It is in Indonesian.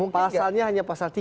pasalnya hanya pasal tiga